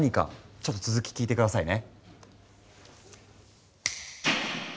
ちょっと続き聞いて下さいね。